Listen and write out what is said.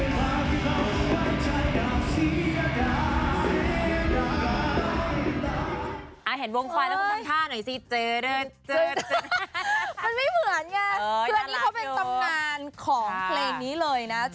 มันไม่เหมือนไงคืออันนี้เขาเป็นตำนานของเพลงนี้เลยนะ